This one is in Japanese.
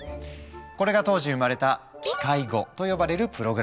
これが当時生まれた「機械語」と呼ばれるプログラミング言語。